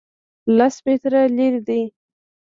لس متره لرې دی